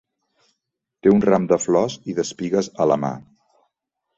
Té un ram de flors i d'espigues a la mà.